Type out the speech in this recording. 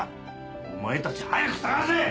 お前たち早く捜せ！